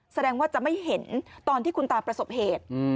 แสดงว่าจะไม่เห็นตอนที่คุณตาประสบเหตุ